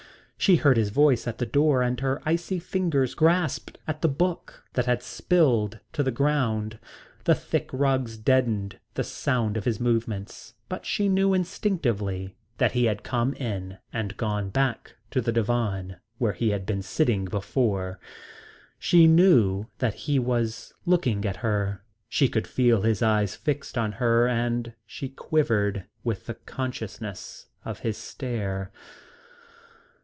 She heard his voice at the door and her icy fingers grasped at the book that had slipped to the ground. The thick rugs deadened the sound of his movements, but she knew instinctively that he had come in and gone back to the divan where he had been sitting before. She knew that he was looking at her. She could feel his eyes fixed on her and she quivered with the consciousness of his stare.